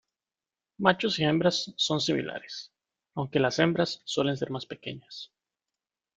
Machos y hembras son similares, aunque las hembras suelen ser más pequeñas.